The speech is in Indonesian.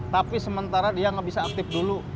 tapi sementara dia nggak bisa aktif dulu